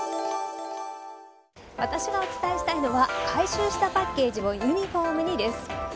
私がお伝えしたいのは回収したパッケージをユニホームにです。